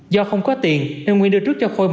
do không có tiền nên nguyên đưa trước cho khôi